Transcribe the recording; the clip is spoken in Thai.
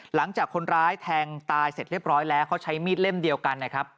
หลังจากคนร้ายแทงตายเสร็จเรียบร้อยแล้วเขาใช้มีดเล่มเดียวกันนะครับ